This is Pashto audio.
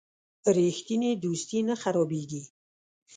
رښتینی دوستي نه خرابیږي.